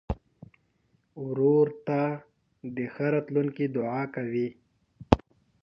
ورور ته د ښه راتلونکي دعا کوې.